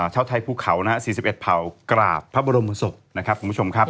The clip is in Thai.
ชาวไทยภูเขานะฮะ๔๑เผ่ากราบพระบรมศพนะครับคุณผู้ชมครับ